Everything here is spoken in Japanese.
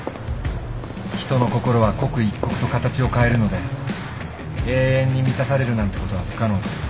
人の心は刻一刻と形を変えるので永遠に満たされるなんてことは不可能です。